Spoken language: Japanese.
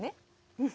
うん。